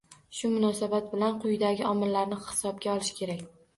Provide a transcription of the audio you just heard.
Shu munosabat bilan quyidagi omillarni hisobga olish kerak